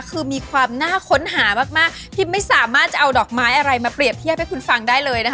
คือมีความน่าค้นหามากพิมไม่สามารถจะเอาดอกไม้อะไรมาเปรียบเทียบให้คุณฟังได้เลยนะคะ